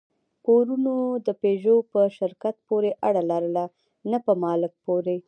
پورونو د پيژو په شرکت پورې اړه لرله، نه په مالک پورې.